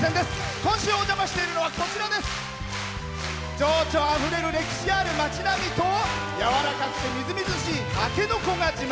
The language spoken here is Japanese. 今週お邪魔しているのは情緒あふれる歴史ある町並みとやわらかくてみずみずしいたけのこが自慢。